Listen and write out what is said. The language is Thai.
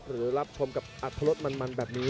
หรือรับชมกับอัตรลดมันแบบนี้